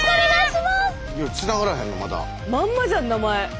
まんまじゃん名前。